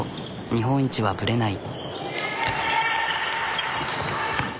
日本一はブレない。